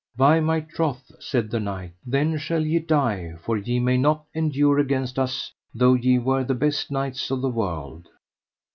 By my troth, said the knight, then shall ye die, for ye may not endure against us though ye were the best knights of the world.